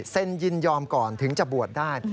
ยินยอมก่อนถึงจะบวชได้